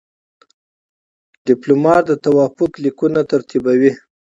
ډيپلومات د توافق لیکونه ترتیبوي.